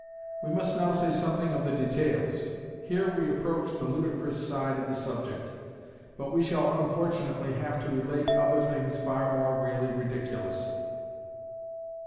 We must now say something of the details. Here we approach the ludicrous side of the subject: but we shall unfortunately have to relate other things far more really ridiculous.